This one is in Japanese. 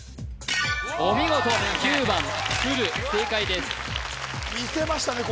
お見事９番ふる正解ですみせましたね